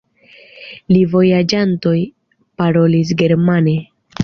La vojaĝantoj parolis germane.